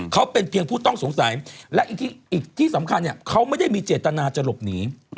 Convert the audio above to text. เขาเป็นเพียงผู้ต้องสงสัยและอีกที่สำคัญเขาไม่ได้มีเจตนาจะหลบหนี